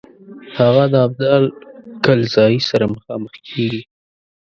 هغه د ابدال کلزايي سره مخامخ کیږي.